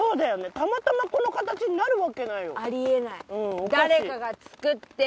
たまたまこの形になるわけないよあり得ないうん